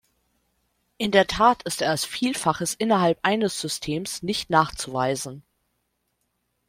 In der Tat ist er als Vielfaches innerhalb eines Systems nicht nachzuweisen.